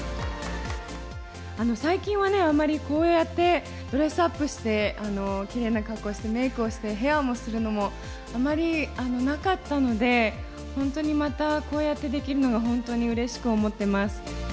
最近はあんまりこうやってドレスアップして、きれいな格好して、メークをして、ヘアもするのもあまりなかったので、本当にまた、こうやってできるのが、本当にうれしく思ってます。